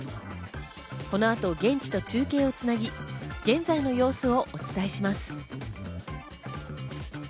この後、現地と中継をつなぎ、現在の様子をお伝えします。